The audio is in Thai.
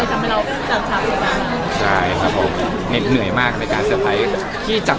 ได้ล้ายทำให้เราดำเติบตาม